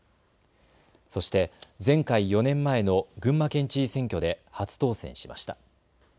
そして前回４年前の群馬県知事選挙で初当選しました。